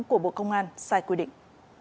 của bộ công an sai quy định